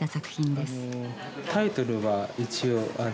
タイトルは一応あの。